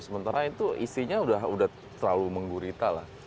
sementara itu isinya udah terlalu menggurita lah